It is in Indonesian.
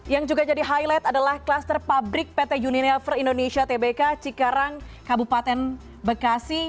yang juga jadi highlight adalah kluster pabrik pt univer indonesia tbk cikarang kabupaten bekasi